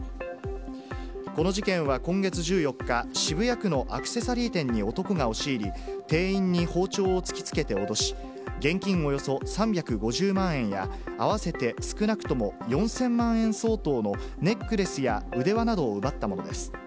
この事件は今月１４日、渋谷区のアクセサリー店に男が押し入り、店員に包丁を突きつけて脅し、現金およそ３５０万円や、合わせて少なくとも４０００万円相当のネックレスや腕輪などを奪ったものです。